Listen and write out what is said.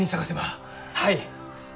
はい！